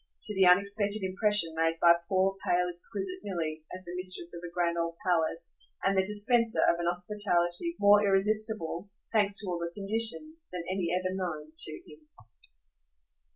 to the unexpected impression made by poor pale exquisite Milly as the mistress of a grand old palace and the dispenser of an hospitality more irresistible, thanks to all the conditions, than any ever known to him.